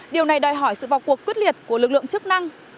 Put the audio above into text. điều này đòi hỏi sự vào cuộc quyết liệt của lực lượng chức năng